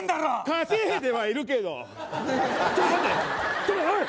稼いではいるけどちょっと待ってちょっとおい！